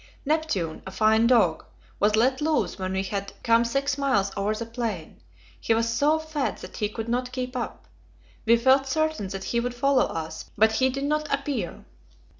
Neptune, a fine dog, was let loose when we had come six miles over the plain; he was so fat that he could not keep up. We felt certain that he would follow us, but he did not appear.